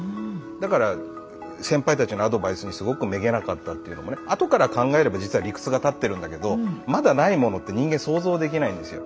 だから先輩たちのアドバイスにすごくめげなかったっていうのもねあとから考えれば実は理屈が立ってるんだけどまだないものって人間想像できないんですよ。